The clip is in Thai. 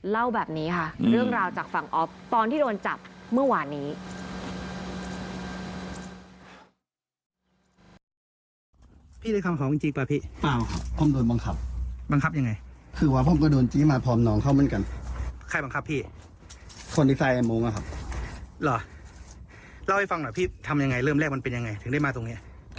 เล่าแบบนี้ค่ะเรื่องราวจากฝั่งออฟตอนที่โดนจับเมื่อวานนี้